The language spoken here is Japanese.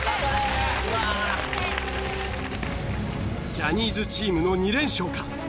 ジャニーズチームの２連勝か？